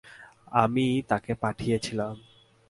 আমিই তাকে পাঠিয়েছিলুম।